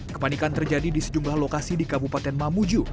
kepanikan terjadi di sejumlah lokasi di kabupaten mamuju